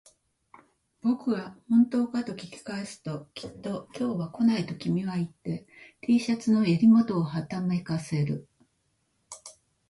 僕が本当かと聞き返すと、きっと今日は来ないと君は言って、Ｔ シャツの襟元をはためかせる